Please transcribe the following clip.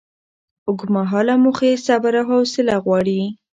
اوږدمهاله موخې صبر او حوصله غواړي.